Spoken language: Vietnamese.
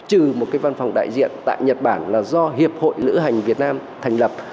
trừ một cái văn phòng đại diện tại nhật bản là do hiệp hội lữ hành việt nam thành lập